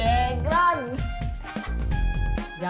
hehehe lewat tuh lah